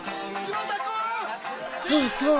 そうそう。